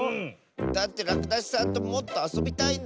だってらくだしさんともっとあそびたいんだもん！